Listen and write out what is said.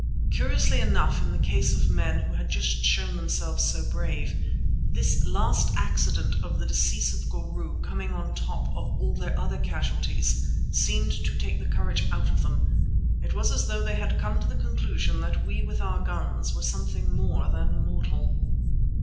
Curiously enough in the case of men who had just shown themselves so brave, this last accident of the decease of Goru coming on the top of all their other casualties, seemed to take the courage out of them. It was as though they had come to the conclusion that we with our guns were something more than mortal.